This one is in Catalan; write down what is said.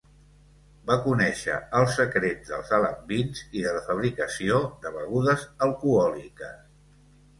Va conèixer els secrets dels alambins i de la fabricació de begudes alcohòliques.